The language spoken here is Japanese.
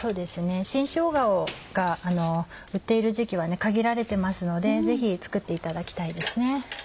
新しょうがが売っている時期は限られてますのでぜひ作っていただきたいですね。